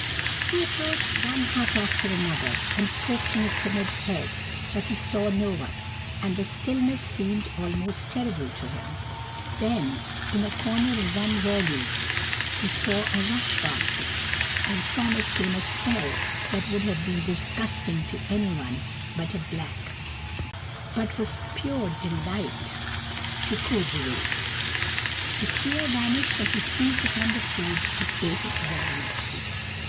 He approached one hut after another, and poked in a timid head, but he saw no one, and the stillness seemed almost terrible to him. Then, in a corner of one wurley he saw a rush basket, and from it came a smell that would have been dis gusting to anyone but a black, but was pure delight 222 KUR BO ROO, THE BEAR to Kur bo roo. His fear vanished as he seized upon the food and ate it ravenously.